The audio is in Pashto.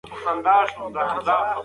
که نظم وي نو بې عدالتي نه وي.